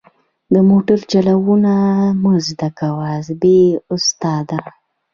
د موټر چلوونه مه زده کوه بې استاده.